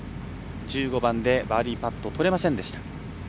１５番でバーディーパットとれませんでした。